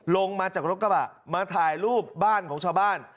ลงมาจากรถกระบะมาถ่ายรูปบ้านของชาวบ้าน